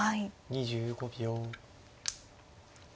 ２５秒。